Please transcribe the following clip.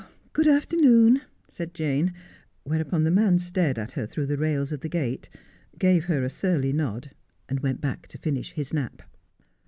' Good afternoon,' said Jane, whereupon the man stared at her through the rails of the gate, gave her a surly nod, and went back to finish his nap.